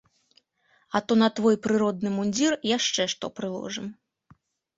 А то на твой прыродны мундзір яшчэ што прыложым.